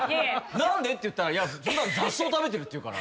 「何で？」って言ったら普段雑草食べてるっていうから。